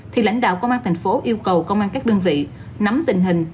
thì lãnh đạo công an tp hcm yêu cầu công an các đơn vị nắm tình hình